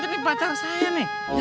jangan kurang aja nih pacar saya nih